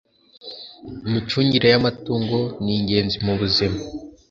imicungire y’ umutungo ningenzi mubuzima.